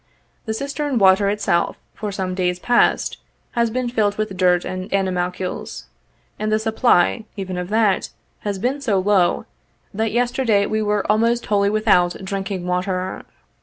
The cistern water, itself, for some days past, has been filled with dirt and animalcules, and the supply, even of that, has been so low, that yesterday we were almost wholly with out drinking water.